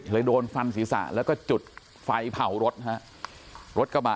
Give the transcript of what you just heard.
โดนฟันศีรษะแล้วก็จุดไฟเผารถฮะรถกระบะ